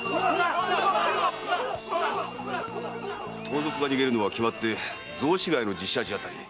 〕盗賊が逃げるのは決まって雑司ヶ谷の寺社地あたり。